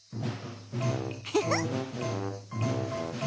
フフッ。